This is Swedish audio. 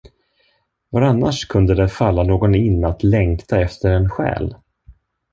Var annars kunde det falla någon in att längta efter en själ?